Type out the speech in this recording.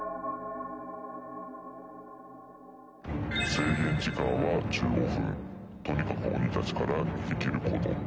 制限時間は１５分とにかく鬼たちから逃げ切ること